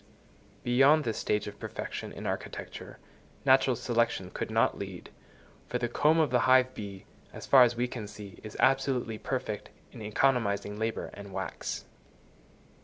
Beyond this stage of perfection in architecture, natural selection could not lead; for the comb of the hive bee, as far as we can see, is absolutely perfect in economising labour and wax.